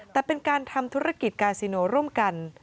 แต่เป็นการทำธุรกิจกาซิโนร่วมกัน